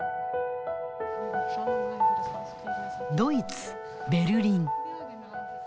ドイツ・ベルリン。